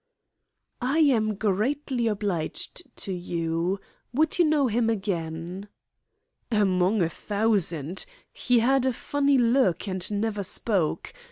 "I am greatly obliged to you. Would you know him again?" "Among a thousand! He had a funny look, and never spoke.